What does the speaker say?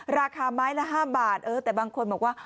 ราคาไม้ละ๕บาทแต่บางคนบอกว่า